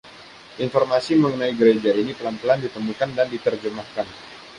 Informasi mengenai gereja ini pelan-pelan ditemukan dan diterjemahkan.